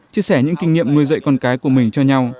chia sẻ những kinh nghiệm nuôi dạy con cái của mình cho nhau